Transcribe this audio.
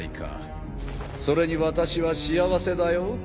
それに私は幸せだよ。